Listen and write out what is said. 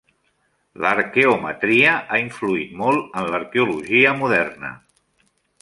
L'arqueometria ha influït molt en l'arqueologia moderna.